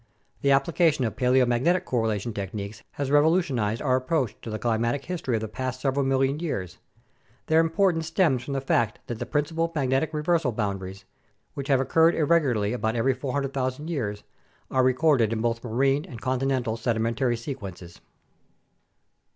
The application of paleomagnetic correlation techniques has revolu tionized our approach to the climatic history of the past several million years. Their importance stems from the fact that the principal magnetic reversal boundaries, which have occurred irregularly about every 400,000 years, are recorded in both marine and continental sedimentary sequences.